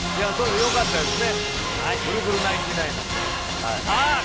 よかったですね。